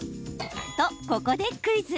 と、ここでクイズ。